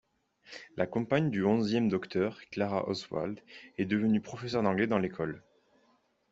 La compagne du Onzième Docteur, Clara Oswald, est devenue professeur d'anglais dans l'école.